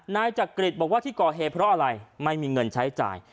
นายจักริตบอกว่าที่ก่อเหตุเพราะอะไรไม่มีเงินใช้จ่าย